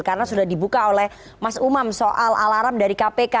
karena sudah dibuka oleh mas umam soal alarm dari kpk